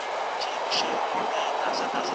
موږ ټول زده کوونکي يو.